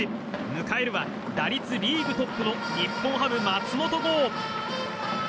迎えるは打率リーグトップの日本ハム、松本剛。